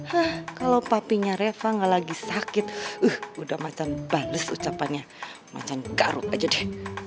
hah kalau papinya reva gak lagi sakit udah macan bales ucapannya macan garut aja deh